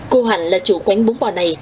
cô hạnh là chủ quán bún bò này